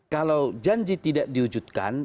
kalau janji tidak diwujudkan